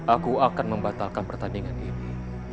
aku akan membatalkan pertandingan ini